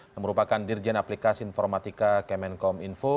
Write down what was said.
yang merupakan dirjen aplikasi informatika kemenkom info